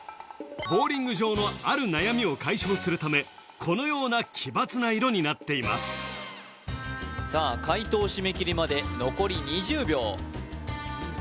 ボウリング場のある悩みを解消するためこのような奇抜な色になっていますさあ解答締め切りまで残り２０秒